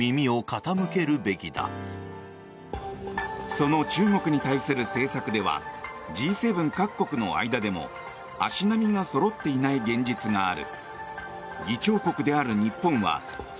その中国に対する政策ではＧ７各国の間でも足並みがそろっていない現実がある。